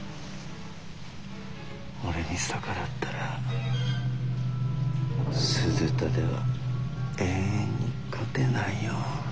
俺に逆らったら鈴田では永遠に勝てないよ。